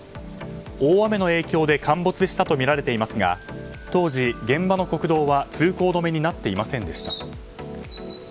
大雨の影響で陥没したとみられていますが当時、現場の国道は通行止めになっていませんでした。